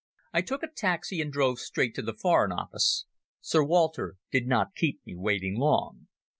I took a taxi and drove straight to the Foreign Office. Sir Walter did not keep me waiting long.